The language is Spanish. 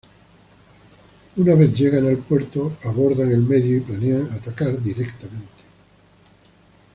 Una vez llegan al puerto, abordan el medio y planean atacar directamente.